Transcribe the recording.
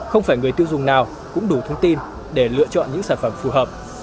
không phải người tiêu dùng nào cũng đủ thông tin để lựa chọn những sản phẩm phù hợp